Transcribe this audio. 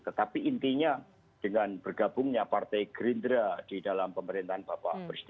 tetapi intinya dengan bergabungnya partai gerindra di dalam pemerintahan bapak presiden